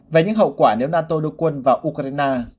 về những hậu quả nếu nato đưa quân vào ukraine